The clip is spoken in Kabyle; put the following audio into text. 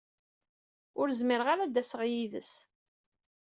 Ur zmireɣ ara ad d-aseɣ yid-s.